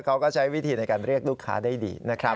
เขาก็ใช้วิธีในการเรียกลูกค้าได้ดีนะครับ